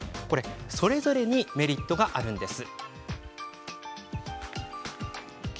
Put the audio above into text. それぞれにメリットがあるんです。